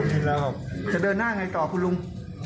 จะเดินหน้าไงต่อคุณลุง